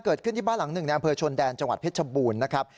เกิดขึ้นที่บ้านหลังหนึ่งในอำเภอชนแดนจังหวัดเพชรบูรณ์นะครับ